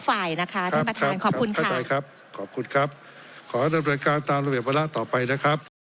ฝ่ายนะคะแล้วขอบคุณครับขอบคุณครับขอรับรายการตามระเบียบเวลาต่อไปนะครับ